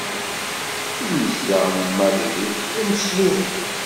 Imezdaɣen n Madrid d imesluben.